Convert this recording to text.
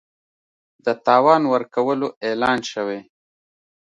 د تاوان ورکولو اعلان شوی